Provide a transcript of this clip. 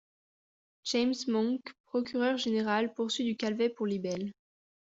James Monk, procureur général, poursuit du Calvet pour libelle.